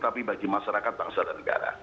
tapi bagi masyarakat bangsa dan negara